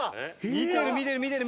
見てる見てる見てる。